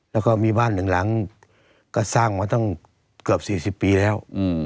แล้วก็มีบ้านหนึ่งหลังก็สร้างมาตั้งเกือบ๔๐ปีแล้ว